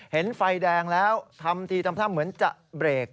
เห็นไฟแดงแล้วทำทีทำท่าเหมือนจะเบรก